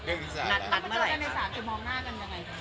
นัดมาเจอกันในศาลคือมองหน้ากันยังไง